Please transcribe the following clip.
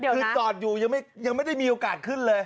คือจอดอยู่ยังไม่ได้มีโอกาสขึ้นเลย